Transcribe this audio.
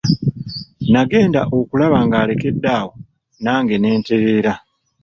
Nagenda okulaba ng'alekedde awo nange ne ntereera.